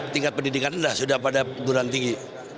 tingkat pendidikan sudah pada guran tinggi